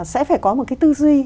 sẽ phải có một cái tư duy